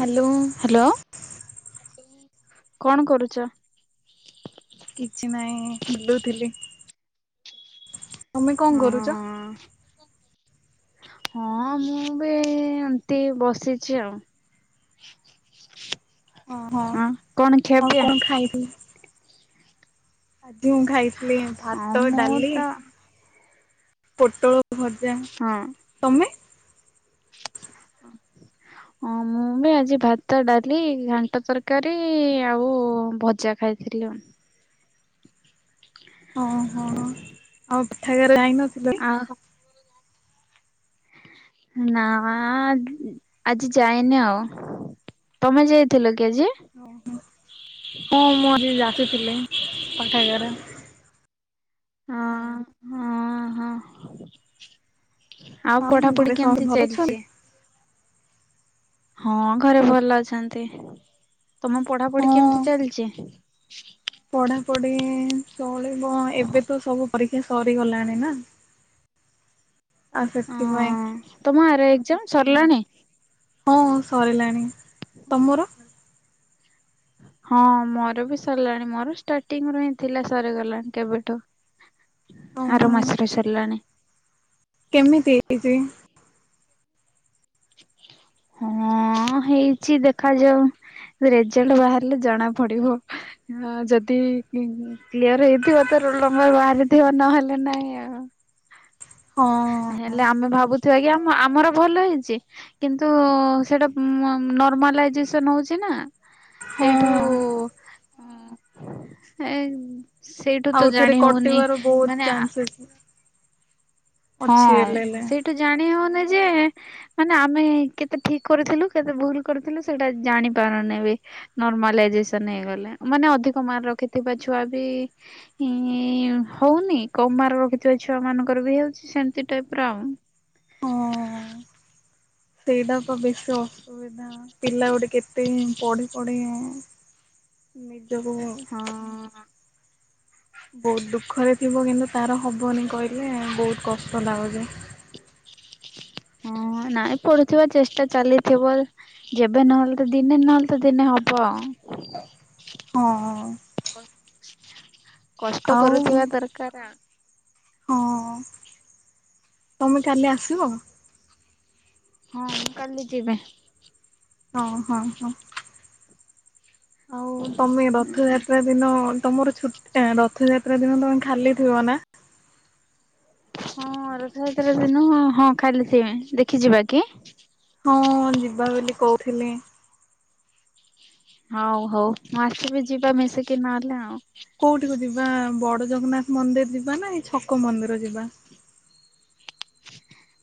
Hello. Hello. କଣ କରୁଛ? କିଛି ନାହିଁ ବୁଲୁଥିଲି। ତମେ କଣ କରୁଛ? ହଁ। ହଁ ମୁଁ ବି ଏମତି ବସିଛି ଆଉ। ଓହୋ ହଁ କଣ ଆଉ ଖିଆପିଆ? କଣ ଖାଇବୁ ଆଜି ମୁଁ ଖାଇଥିଲି ହଁ ଭାତ ମୁଁ ଡାଲି ତ ପୋଟଳ ଭ ହଁ। [inaudible] ହଁ ମୁଁ ବି ଆଜି ଭାତ ଡାଲି ଘାଣ୍ଟ ତରକାରୀ ଆଉ ଭଜା ଖାଇ ସେରିିଲ [unintelligible] ଓହୋ ଆଉ ପିଠାାଗରେ ଯାଇ ନଥିଲୁ? ହଁ ହୋ। ନା ଆଜି ଯାଏନି ଆଉ। ତମେ ଯାଇଥିଲ କି ଆଜି? ଓହୋ ହଁ ମୁଁ ଆଜି ଆସିଥିଲି ପାଠାଗାର। ହଁ ହଁ ହଁ। ଆଉ ଘରେ ପଢାପଢି ସମସ୍ତେ କେମିତି ଭଲ ଅଛନ୍ତି? ଚାଲିଛି? ହଁ ଘରେ ଭଲ ଅଛନ୍ତି ତମ ପଢାପଢି କେମିତି ଚାଲିଛି? ପଢାପଢି ଚଳିବ ଏବେ ତ ସବୁ ପରୀକ୍ଷା ସରିଗଲାଣି ନା। ଆ ସେଥିପାଇଁ ହଁ ତମ ଆର ଏକ୍ଜାମ ସରିଲାଣି? ହଁ ସରିଲାଣି ତମର? ହଁ ମୋର ବି ସରିଲାଣି ମୋର ଷ୍ଟାର୍ଟିଂ ରୁ ହିଁ ଥିଲା ସରିଗଲାଣି କେବେଠୁ। [inaudible] ଆର ଓହୋ ମାସରେ ସରିଲାଣି। କେମିତି ହେଇଛି? ହଁ ହେଇଛି ଦେଖାଯାଉ। ରେଜଲ୍ଟ ବାହାରିଲେ ଜଣା ପଡିବ ଯଦି କ୍ଲିୟର ହେଇଥିବ ତୋ ରୋଲ ନମ୍ବର ବାହାରିଥିବ ନହେଲେ ନାଇଁ ଆଉ ହଁ। ହେଲେ ଆମେ ଭାବୁଥିବା କି ଆମ ଆମର ଭଲ ହେଇଛି। କିନ୍ତୁ ସେଟା ନର୍ମାଲାଇଜେସନ ହଉଛି ନା। ସେଇଠୁ ହଁ ଏ ସେଇଠୁ ତ ଆଉଥରେ ଜାଣି ହଉନି କଟିବାର ବହୁତ ମାନେ ଚାନ୍ସେସ୍ ହଁ ଅଛି ହେଲେ ହେଲେ ସେଇଠୁ ଜାଣି ହଉନି ଯେ ମାନେ ଆମେ କେତେ ଠିକ କରିଥିଲୁ କେତେ ଭୁଲ କରିଥିଲୁ ସେଇଟା ଜାଣି ପାରୁନି ଏବେ ନର୍ମାଲ ଏଜେସନ ହେଇଗଲେ ମାନେ ଅଧିକ ମାର୍କ ରଖିଥିବା ଛୁଆ ବି ହଁ ହଉନି କମ୍ ମାର୍କ ର ରଖିଥିବା ଛୁଆ ମାନଙ୍କର ବି ହଉଛି ସେମିତି ଟାଇପ ର ଆଉ। ସେଇଟାପ ବେଶ ଅସୁବିଧା। ପିଲା ଗୋଟେ କେତେ ପଢି ପଢି ନିଜକୁ ହଁ। ବହୁତ ଦୁଃଖରେ ଥିବ, କିନ୍ତୁ ତାର ହବନି କହିଲେ ବହୁତ କଷ୍ଟ ଲାଗୁଛି। ହଁ ନାଇଁ, ପଢ଼ୁଥିବା ଚେଷ୍ଟା ଚାଲିଥିବ। ଯେବେ ନହେଲେ ତ ଦିନେ ନହେଲେ ତ ଦିନେ ହବ। [inaudible] ହଁ। [inaudible] କଷ୍ଟ ଆଉ କରୁଥିବା ଦରକାର। ହଁ ତମେ କାଲି ଆସିବ? ହଁ, ମୁ କାଲି ଯିବି। ହଁ ହଁ ହଁ। ଆଉ ତମେ ରଥଯାତ୍ରା ଦିନ ତମର ଛୁଟି? ରଥଯାତ୍ରା ଦିନ ତମେ ଖାଲି ଥିବ ନା? ହଁ, ରଥଯାତ୍ରା ଦିନ ହଁ ଖାଲି ଥିବି। ଦେଖିଯିବା କି? ହଁ, ଯିବା ବୋଲି କହୁଥିଲେ। ହଁ, ହଉ। ମୁଁ ଆସିବି, ଯିବା ମିଶିକି। ନହେଲେ ଆଉ। କୋଉଠିକୁୁ ଯିବା? ବଡ ଜଗନ୍ନାଥ ମନ୍ଦିର ଯିବା ନା ଛକ ମନ୍ଦିର ଯିବା?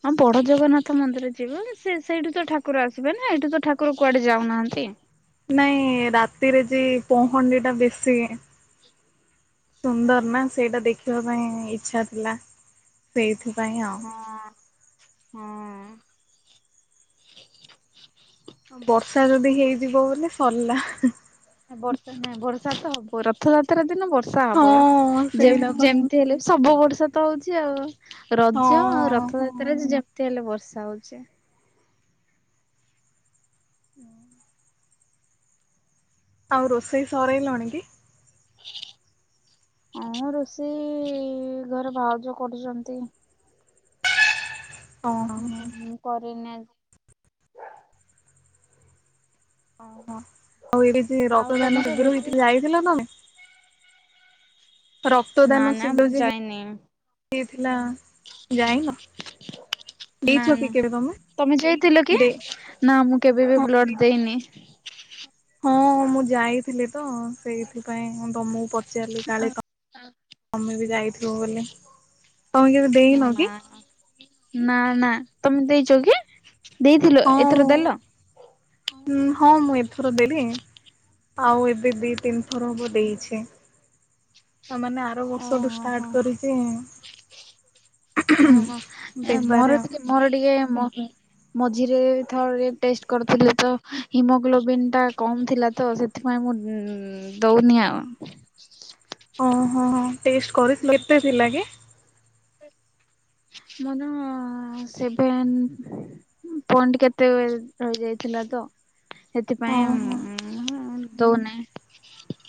ହଁ, ବଡ ଜଗନ୍ନାଥ ମନ୍ଦିର ଯିବ। ସେ ସେଇଠୁ ତ ଠାକୁର ଆସିବେ ନା ଏଇଠୁ ତ ଠାକୁର କୁଆଡେ ଯାଉନାହାନ୍ତି। ନାହିଁ, ରାତିରେ ଯେ ପହଣ୍ଡି ଟା ବେଶୀ ସୁନ୍ଦର ନା ସେଇଟା! ଦେଖିବା ପାଇଁ ଇଚ୍ଛା ଥିଲା, ସେଇଥିପାଇଁ ଆଉ। [inaudible] ବର୍ଷା ଯଦି ହେଇଯିବ ବଲେ ସରିଲା। ବର୍ଷା ନାଇଁ? ବର୍ଷା ତ ହବ। ରଥଯାତ୍ରା ଦିନ ବର୍ଷା ହବ ହଁ ଯେ ସେଇଟା ପା। -ଯେ ମିତି ହେଲେ ସବୁ ବର୍ଷତ ହଉଛି ଆଉ, ରଜ ଆଉ ହଁ ରଥଯାତ୍ରା [unintelligible] ଯେମିତି ହେଲେ ବର୍ଷା ହଉଛି। ହୁଁ। ଆଉ ରୋଷେଇ ସରେଇଲଣି କି? ଆଁ, ରୋଷେଇ ଇ ଘରେ ଭାଉଜ କରୁଛନ୍ତି। ହଁ। ହଁ ହଁ [inaudible] ଓହୋ! ଆଉ ଏଇଠି ଆଉ ରକ୍ତଦାନ ତମର ଶୀଘ୍ର ରୋଷେଇ ହେଇଥିଲା? ଯାଇଥିଲ କଣ? ନା ରକ୍ତଦାନ ନା ମୁଁ [unintelligible] ଯାଇନି ହେଇଥିଲା। ଯାଇନ ନା ଦେଇଛ ନା କି ତମେ ଯାଇଥିଲ କି? [unintelligible] ନା, ମୁଁ କେବେ ହଁ ବି ବ୍ଲଡ଼ ଦେଇନି। ହଁ, ମୁଁ ଯାଇଥିଲି ତ। ସେଇଥିପାଇଁ ତମକୁ ପଚାରିଲି, ଆ କାଳେ ତମେ ବି ଯାଇଥିବ ବୋଲି। ତମେ କେବେ ଦେଇନ ନା, କି? ନା ନା, ତମେ ଦେଇଛ କି? ଦେଇଥିଲେ? ହଁ ଏଥର ଦେଲ? ହଁ, ମୁଁ ଏଥର ଦେଲି। ଆଉ ଏବେ ଦି ତିନି ଥର ହବ ଦେଇଛି। ତା ମାନେ, ଆର ବର୍ଷଠୁ ଓହୋ ହୋ ଷ୍ଟାର୍ଟ କରିକି? ଓହୋ, ମୋର ଟିକେ ମୋର ଟିକେ ମ ମଝିରେ ଥରେ ଟେଷ୍ଟ କରିଥିଲି ତ, ହିମୋଗ୍ଲୋବିନ୍ ଟା କମ ଥିଲା ତ, ସେ ନାଇଁ, ମୁଁ ମୁଁ ଦଉନି ଆଉ। ଓହୋ, ଟେଷ୍ଟ କରିଥିଲ? ଏତେ ଥିଲା କି? [unintelligible] ସେଭେନ୍ ପଏନ୍ଟ କେତେ ରହିଯାଇଥିଲା ତ। ସେଥିପାଇଁ ଓହୋ। [unintelligible] ଦଉନାଇ।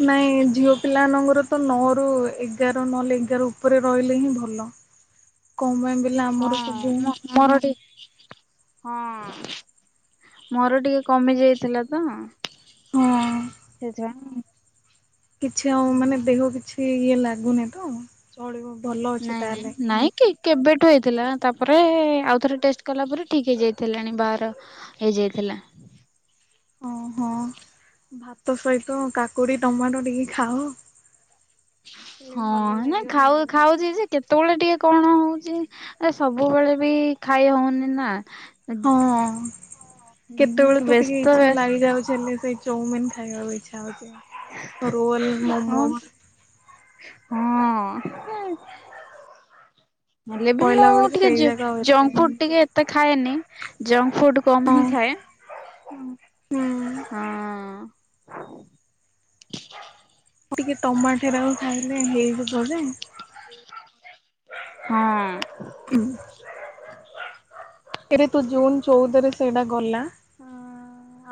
ନାଇଁ ଝିଅ ପିଲା ନମ୍ବର ତ ନଅ ରୁ ଏଗାର ନହେଲେ ଏଗାର ଉପରେ ରହିଲେ ହିଁ ଭଲ। [unintelligible] କଉ ଗାଁ ପିଲା। ହଁ ମୋର ଟିକେ ହଁ ମୋର ଟିକେ କମି ଯାଇଥିଲା ତ। ହଁ ସେଇଥି ପାଇଁ କିଛି ଆଉ ମାନେ ଦେହ କିଛି ଇଏ ଲାଗୁନି ତ? ଚଳିବ ଭଲ ଅଛି ନାଇଁ ନାଇଁ ତାହେଲେ। ନାଇଁ କି କେବେଠୁ ହେଇଥିଲା ନାଁ। ତାପରେ ଆଉଥରେ ଟେଷ୍ଟ କଲା ପରେ ଠିକ୍ ହେଇଯାଇଥିଲାଣି ବାହାର। ହେଇ ଯାଇଥିଲା। ଓହୋ ଭାତ ସହିତ କାକୁଡି ଟମାଟୋ ଟିକେ ଖାଅ। ହେଲେ ହଁ ଭଲ ନାଇ ଲାଗିବ ଖାଉ ହେଲେ ଖାଉଛି ଯେ କେତେବେଳେ ଟିକେ କଣ ହଉଛି। ଏ ସବୁବେଳେ ବି ଖାଇ ହଉନି ନା ହଁ ହଁ କେତେବେଳେ ତ ଟିକେ ବ୍ୟସ୍ତ ଇଚ୍ଛା ବ୍ୟସ୍ତ ଲାଗି ଯାଉଛି। ହେଲେ ସେଇ ଚଉମିିନ ଖାଇବା ପାଇଁ। ଇଛା ହଉଛି ରୋଲ ମୋମୋଜ ହୁଁ। ହେଲେ ବି କହିଲା ମୁଁ ବେଳକୁ ଟିକେ ସେଇ ଜ ଜାଗା ଆଉ ଏତେ ଜଙ୍କ ଫୁଡ ଟିକେ ଏତେ ଖାଏନି ଜଙ୍କ ଫୁଡ କମ୍ ହଁ ହିଁ ଖାଏ ହୁଁ ହଁ ଟିକେ ଟମାଟରାକୁ ଖାଇଲେ ହେଇଯିବ ଯେ। ହୁଁ। ହୁଁ। ଏକରେ ତୁ ଜୁନ୍ ଚଉଦରେ ସେଇଟା ଗଲା,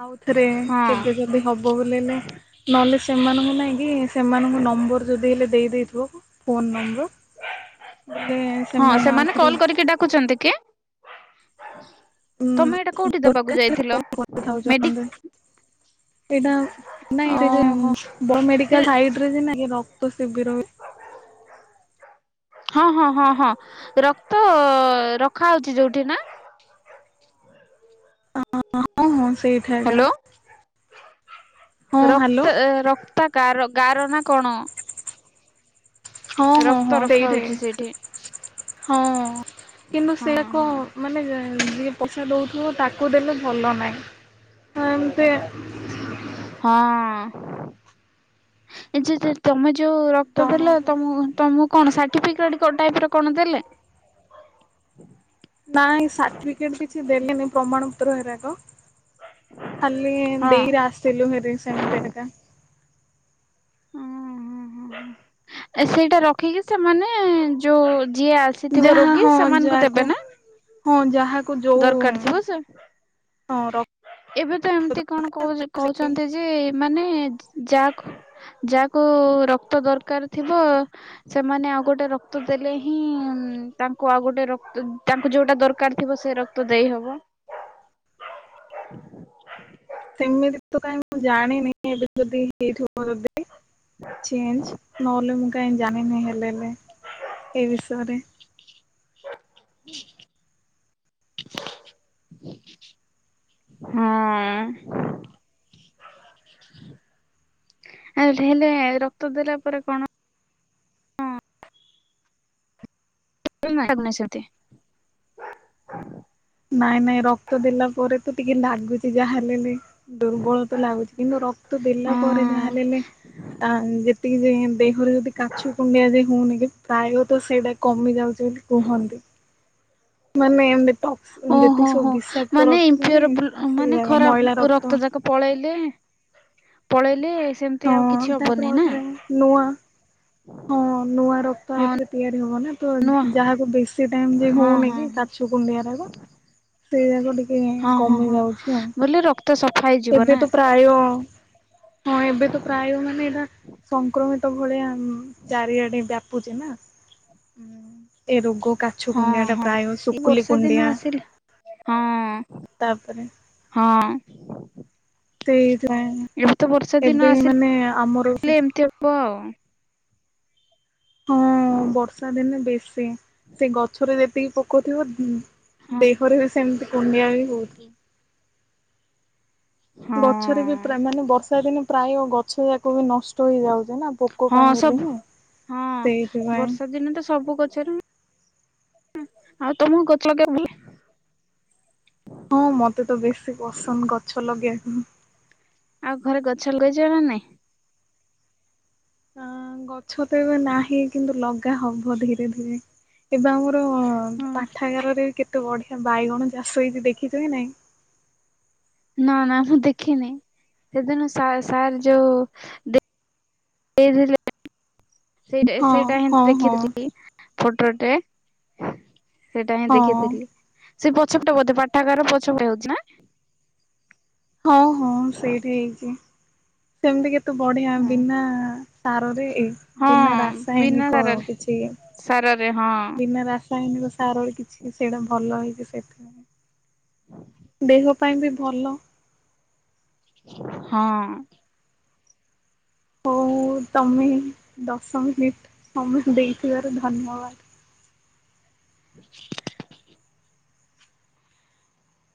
ଆଉଥରେ ହଁ କେବେ। ଯଦି ହବ ବୋଲେନେ ନହେଲେ ସେମାନଙ୍କୁ ନାଇଁ କି ସେମାନଙ୍କୁ ନମ୍ବର ଯଦି ହେଲେ ଦେଇଦେଇଥିବ। Phone number. ବୋଲେ ହଁ ସେମାନେ ଆଉଥରେ କଲ କରିକି ଡାକୁଛନ୍ତି କି? ତମେ ଏଇଟା କୋଉଠି ଦବାକୁ ଦରକାର ଯାଇଥିଲ ମେଡି କରିଥାଉଛନ୍ତି ଏଇଟା ନାଇ ଓହୋ ବଡ଼ ମେଡିକାଲ ସାଇଡରେ ଯଉ ନାଇ ରକ୍ତସିବିର। ହଁ ହଁ ହଁ ହଁ ରକ୍ତ ରଖା ହଉଛି ଯୋଉଠି ନାଁ? ହଁ ହଁ ହଁ ସେଇଟା ଠାଗା। ହ୍ୟାଲୋ ହ୍ୟାଲୋ ରକ୍ତ ରକ୍ତା ଗାରା ଗାର ନା କଣ? ହଁ ହଁ ରକ୍ତ ହଁ ରଖା ସେଇ ହଉଛି ସେଇ ସେଇଠି ହଁ କିନ୍ତୁ ହଁ ସେ ଏକ ହଁ। ମାନେ ଯିଏ ପଇସା ଦଉଥିବ, ତାକୁ ଦେଲେ ଭଲ ନାହିଁ। ହଁ ଏମତି। ହଁ ଏ [inaudible] ତମେ ଯୋଉ ରକ୍ତ ଦେଲ, ଜଣକୁ ତମ ତମକୁ କଣ ସାର୍ଟିଫିକେଟ ଟାଇପ ର କଣ ଦେଲେ? ନାଇଁ ସାର୍ଟିଫିକେଟ କିଛି ଦେଲେନି, ପ୍ରମାଣ ପତ୍ର ହେରାକ। ଖାଲି ଦେଇକିରେ ଆସିଥିଲୁ ସେଠି ହେରି ସେମତି ଏକା। ଓ ହଁ ହଁ ସେଇଟା ରଖିକି ସେମାନେ ଯୋଉ ଯିଏ ଆସ ଥିବ ଯାହା ରୋଗୀ ହଁ ସେମାନଙ୍କୁ ଯାହାକୁ ଦେବେ ନା। ହଁ ଯାହାକୁ ଯ ଦରକାର ଥିବ ସେ ର ଏବେ ତ ଏମିତି କଣ କହୁ କହୁଛନ୍ତି। ଯେ ମାନେ ଯାକୁ ଯାହାକୁ ରକ୍ତ ଦରକାର ଥିବ। ସେମାନେ ଆଉ ଗୋଟେ ରକ୍ତ ଦେଲେ, ହିଁ ତାଙ୍କୁ ଆଉ ଗୋଟେ ରକ୍ତ ତାଙ୍କୁ ଯୋଉଟା ଦରକାର ଥିବ। ସେ ରକ୍ତ ଦେଇ ହବ। ସେମିତି ତ କାଇଁ ମୁଁ ଜାଣିନି ଏବେ ଯଦି। ଲେଟ୍ ହବ ଯଦି ଚେଞଜ ନହେଲେ ମୁଁ କାହିଁ ଜାଣିନି ହେଲେ ହେଲେ ଏଇ ବିଷୟରେ ହୁଁ ହଁ ଏମିତି ହେଲେ ରକ୍ତ ଦେଲା ପରେ କଣ ଶ ସେଛନ୍ତି ନାଇଁ ନାଇଁ ରକ୍ତ ଦେଲା ପରେ ତ ଟିକେ ଲାଗୁଛି ଯାହା ହେଲେ ଦୁର୍ବଳ ତ ଲାଗୁଛି କିନ୍ତୁ ରକ୍ତ ଦେଲା ହଁ ପରେ ଯାହା ହେଲେ ହେଲେ ଯେତିକି ଯେ ଘରେ ଯଦି କାଛ କୁଣ୍ଡିଆଜି ହଉନି କି ପ୍ରାୟତଃ ସେଇଟା କମି ଯାଉଛି ବୋଲି କୁହନ୍ତି ମାନେ ଏମୀ ଟଫ୍ ଯେତିକି ଓହୋ ସବୁ ହୋ ବିସାକ୍ତ ମାନେ ରକ୍ତ ଇମ୍ପିଓର ହେଇନି ସେଇ ମାନେ ନାଇକଣ ରକ୍ତ ମହିଳା ଖରାପ ରକ୍ତ ଯାକ ପଳେଇଲେ ପଳେଇଲେ ସେମ ହଁ ତାପରେ ଆଉ ଥରେ ନୂଆ ହଁ ନୂଆ ର ରକ୍ତ ହଁ ଆଉଥରେ ତିଆରି ହବ ନା ତ ନୁହଁ ଯାହାକୁ ବେଶୀ ଟାଇମି ଯେ ହଁ ହଉନି ହଁ କି ହଁ କାଛୁ କୁଣ୍ଡିଆକୁ ରହିବ ସେଇ ଆକୁ ଟିକେ କମି ଯାଉଛି ଆଉ ମୁଁ କହିଲି ରକ୍ତ ସଫା ହେଇଛି ଏବେ ତ ପ୍ରାୟ ହଁ ଏବେ ତ ପ୍ରାୟ ମାନେ ଏଇଟା ସଂକ୍ରମିତ ଭଳିଆ ଚାରିଆଡ଼େ ବ୍ୟାପୁଛି ନା ଏ ରୋଗ ଆଗ କାଛୁ ହଁ କୁଣ୍ଡିଆଟା ହଁ ପ୍ରାୟ ଏଇ ଶୁକୁଲି ବର୍ଷା ଦିନ କୁଣ୍ଡିଆ ଆସିଲେ ହଁ ତାପରେ ହଁ ସେଇଥିାଇଁ ଏବେ ତ ବର୍ଷା ଦିନ ଏବେ ଆସିଲେ ମାନେ ଆମର ଏମିତି ହବ ଆଉ ହଁ ବର୍ଷା ଦିନେ ବେଶୀ ସେ ଗଛରେ ଯେତିକି ପୋକଥିବ ଦେହରେ ବି ସେମିତି କୁଣ୍ଡିଆ ବି ହୁଏ ହଁ ଗଛରେ ବି ମାନେ ବର୍ଷା ଦିନେ ପ୍ରାୟ ଗଛ ଯାକ ବି ନଷ୍ଟ ହେଇଯାଉଛି ନା ପୋକ ହଁ ପାଇଁ ବୋଲି ସବୁ ହିଁ। ହଁ ସେଇଥିପାଇଁ ବର୍ଷା ଦିନେ ତ ସବୁ ଗଛରେ ଆଉ ତମକୁ ଗଛ ଲଗେଇବାକୁ ଭଲ ଲାଗେ ହଁ ମତେ ତ ବେଶୀ ପସନ୍ଦ ଗଛ ଲଗେଇବାକୁ ଆଉ ଘରେ ଗଛ ଲଗେଇଛ ନା ନାଇଁ ଆ ଗଛ ତ ଏବେ ନାହିଁ କିନ୍ତୁ ଲଗା ହବ ଧୀରେ ଧୀରେ ଏବେ ଆମର ହଁ ପାଠାଗାରରେ କେତେ ବଢିଆ ବାଇଗଣ ଚାଷ ହେଇଛି ଦେଖିଛ କି ନାଇଁ ନାଁ ନାଁ ମୁଁ ଦେଖିନି ସେଦିନ ସା ସାର୍ ଯୋଉ ଲଗେଇଥିଲେ ସେ ସେଟା ହଁ ସେଇଟା ହିଁ ହଁ ହଁ ଦେଖିଥିଲି ଛୋଟ ଟୋ ସେଇଟା ହିଁ ହଁ ଦେଖିଥିଲି ସେଇ ପଛ ପଟୋ ବଧେ ପାଠାଗାରର ପଛପଟୋ ହଉଛି ନାଁ ହଁ ହଁ ସେଇଠି ହେଇଛି ସେମିତି କେତେ ବଢିଆ ବିନା ସାରରେ ହଁ ବିନା ବିନା ରାସାୟନିକ ସାରରେ କିଛି ସାରରେ ହଁ ବିନା ରାସାୟନିକ ସାରରେ କିଛି ସେଇଟା ଭଲ ହେଇଛି ସେଥିପାଇଁ ଦେହ ପାଇଁ ବି ଭଲ ହଁ ହଉ ତମେ ଦଶ ମିନିଟି ସମୟ ଦେଇଥିବାର ଧନ୍ୟବାଦ୍ ସଟଟ